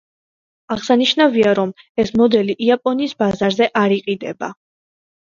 აღსანიშნავია, რომ ეს მოდელი იაპონიის ბაზარზე არ იყიდება.